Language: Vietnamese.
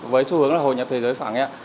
với xu hướng là hội nhập thế giới phẳng ấy ạ